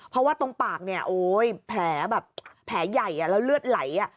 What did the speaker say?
เพราะว่าตรงปากเนี่ยโอ๊ยแผลแบบแผลใหญ่แล้วเลือดไหล